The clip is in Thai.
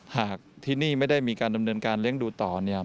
หากที่นี่ไม่ได้มีการดำเนินการเลี้ยงดูต่อเนี่ย